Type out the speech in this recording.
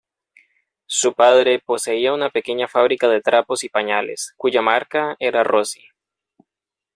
Su padre poseía una pequeña fábrica de trapos y pañales, cuya marca era "Rossi".